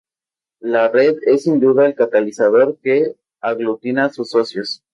La Red es sin duda el catalizador que aglutina a sus socios.